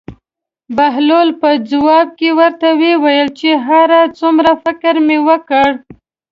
بهلول په ځواب کې ورته وویل چې هر څومره فکر مې وکړ.